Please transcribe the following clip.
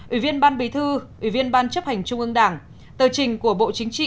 ủy viên ban bí thư ủy viên ban chấp hành trung ương đảng tờ trình của bộ chính trị